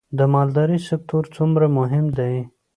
د مالدارۍ سکتور څومره مهم دی؟